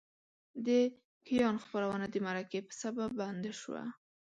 د کیان خپرونه د مرکې په سبب بنده شوه.